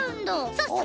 そうそう。